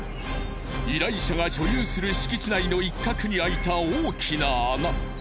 依頼者が所有する敷地内の一角に空いた大きな穴。